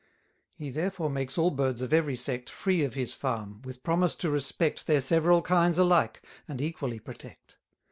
He therefore makes all birds of every sect Free of his farm, with promise to respect Their several kinds alike, and equally protect.